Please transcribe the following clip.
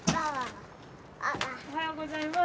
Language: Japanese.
おはようございます。